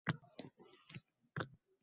sohaning ertasi esa serhosil bo‘ladi.